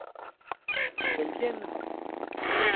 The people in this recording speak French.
Qu’elle vienne !